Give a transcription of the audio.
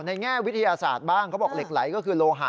แง่วิทยาศาสตร์บ้างเขาบอกเหล็กไหลก็คือโลหะ